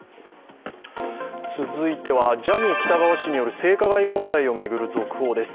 続いてはジャニー喜多川氏による性加害問題を巡る続報です。